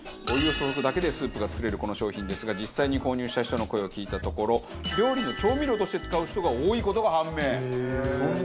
お湯を注ぐだけでスープが作れるこの商品ですが実際に購入した人の声を聞いたところ料理の調味料として使う人が多い事が判明。